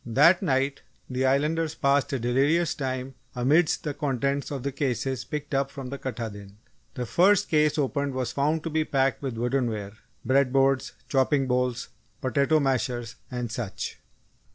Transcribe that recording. That night, the Islanders passed a delirious time amidst the contents of the cases picked up from the Katahdin. The first case opened was found to be packed with woodenware bread boards, chopping bowls, potato mashers, and such.